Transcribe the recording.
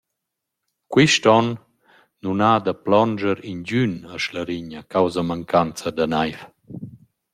Quist on nun ha da plondscher ingün a Schlarigna causa mancanzas da naiv.